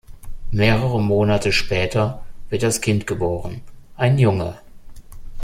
Mehrere Monate später wird das Kind geboren, ein Junge.